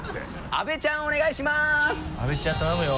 阿部ちゃん頼むよ。